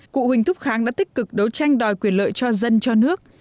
cụ huỳnh thúc kháng đã tích cực đấu tranh đòi quyền lợi cho dân cho nước